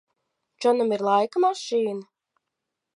Džonam ir laika mašīna?